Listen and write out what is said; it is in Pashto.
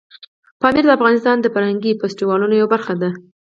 پامیر د افغانستان د فرهنګي فستیوالونو یوه برخه ده.